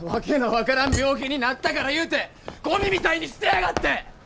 訳の分からん病気になったからいうてゴミみたいに捨てやがって！